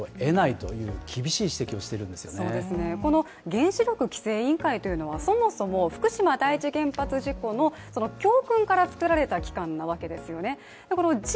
原子力規制委員会というのはそもそも福島第一原発事故の教訓から作られた機関なわけですよね。